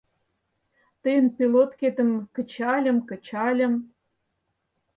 Тыйын пилоткетым кычальым, кычальым...